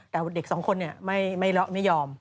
แต่เด็ก๒คนไม่ยอม